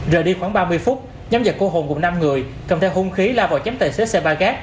rời đi khoảng ba mươi phút nhóm giật cô hồn gồm năm người cầm theo hung khí la vào chém tài xế xe ba gác